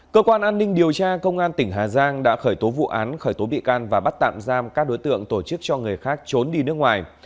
cơ quan an ninh điều tra công an tỉnh hà giang đã khởi tố vụ án khởi tố bị can và bắt tạm giam các đối tượng tổ chức cho người khác trốn đi nước ngoài